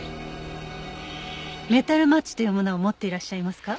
メタルマッチというものを持っていらっしゃいますか？